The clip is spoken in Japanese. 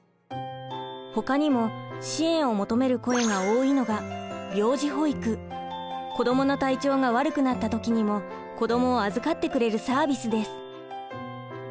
ほかにも支援を求める声が多いのが子どもの体調が悪くなった時にも子どもを預かってくれるサービスです。